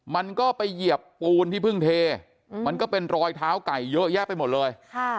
มันก็ไปเหยียบปูนที่เพิ่งเทมันก็เป็นรอยเท้าไก่เยอะแยะไปหมดเลย